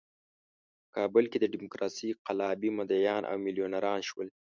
په کابل کې د ډیموکراسۍ قلابي مدعیان میلیونران شول.